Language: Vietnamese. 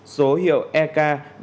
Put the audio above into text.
số hiệu ek ba trăm chín mươi hai